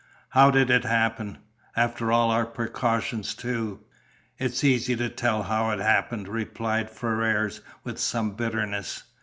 "How did it happen? After all our precautions, too!" "It's easy to tell how it happened," replied Ferrars with some bitterness.